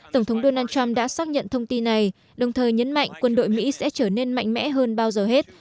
tổng thống donald trump đã xác nhận thông tin này đồng thời nhấn mạnh quân đội mỹ sẽ trở nên mạnh mẽ hơn bao giờ hết